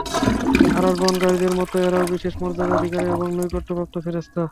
আরশ বহনকারীদের মত এরাও বিশেষ মর্যাদার অধিকারী এবং নৈকট্যপ্রাপ্ত ফেরেশতা।